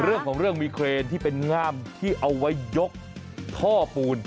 เรื่องของเรื่องมีเครนที่เป็นง่ามที่เอาไว้ยกท่อปูน